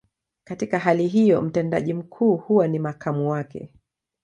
Katika hali hiyo, mtendaji mkuu huwa ni makamu wake.